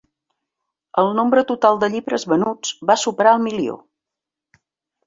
El nombre total de llibres venuts va superar el milió.